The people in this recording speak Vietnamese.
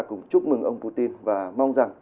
cũng chúc mừng ông putin và mong rằng